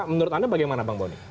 menurut anda bagaimana bang boni